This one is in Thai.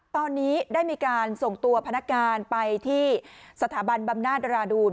ตอนนี้ได้มีการส่งตัวพนักงานไปที่สถาบันบำนาศราดูล